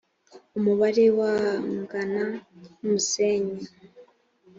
umubare wangana n’umusenyi